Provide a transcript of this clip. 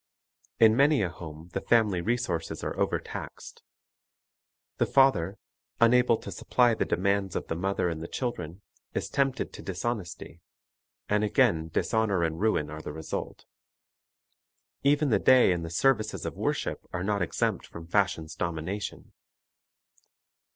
In many a home the family resources are overtaxed. The father, unable to supply the demands of the mother and the children, is tempted to dishonesty, and again dishonor and ruin are the result. Even the day and the services of worship are not exempt from fashion's domination.